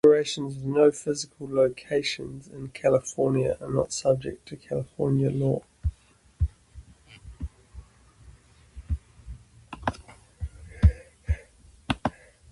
Corporations with no physical locations in California are not subject to California law.